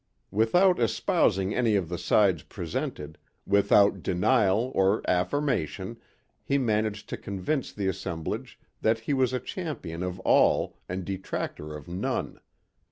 Without espousing any of the sides presented, without denial or affirmation, he managed to convince the assembledge that he was a champion of all and detractor of none.